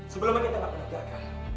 sebelum ini tidak pernah gagal